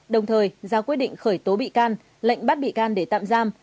đồng thời ra quyết định khởi tố bị can lệnh bắt bị can để tạm giam